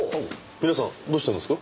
皆さんどうしたんですか？